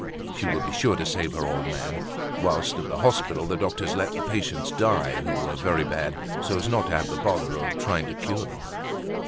She would be sure to save her old man; whilst at the hospital the doctors let the patients die who were very bad, so as not to have the bother of trying to cure them.